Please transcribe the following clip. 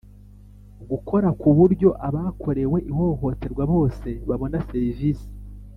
Gukora ku buryo abakorewe ihohoterwa bose babona serivisi